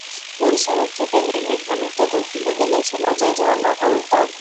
মূল সড়ক থেকে নেমে খানিকটা দক্ষিণে গেলেই শোনা যায় ঝরনা কলতান।